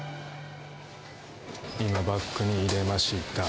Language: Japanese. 今、バッグに入れました。